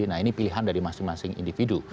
nah ini pilihan dari masing masing individu